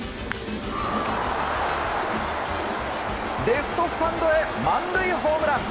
レフトスタンドへ満塁ホームラン。